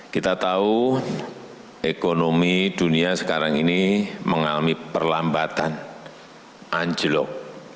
kita tahu ekonomi dunia sekarang ini mengalami perlambatan anjlok